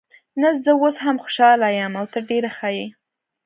نه، زه اوس هم خوشحاله یم او ته ډېره ښه یې.